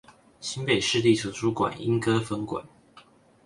新北市立圖書館鶯歌分館